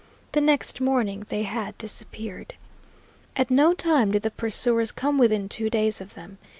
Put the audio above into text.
The next morning they had disappeared. At no time did the pursuers come within two days of them.